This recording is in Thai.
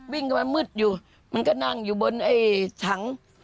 วิ่งมามืดอยู่มันก็นั่งอยู่บนถัง